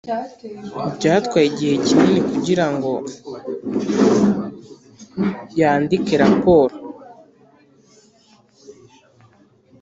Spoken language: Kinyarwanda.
byatwaye igihe kinini kugirango yandike raporo.